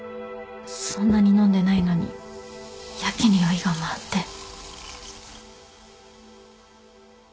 そんなに飲んでないのにやけに酔いが回って。